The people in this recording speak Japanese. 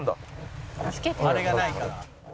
「あれがないから」